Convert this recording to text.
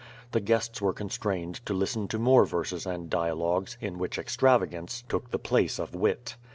The guests were constrained to listen to more verses and dialogues in whicli extravagance took the place of wit.